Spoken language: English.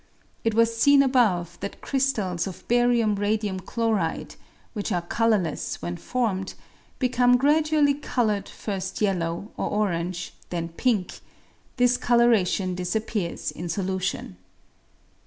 It was seen above that crystals of barium radium chloride, which are colourless when formed, become gradually coloured first yellow or orange, then pink ; this colouration dis appears in solution.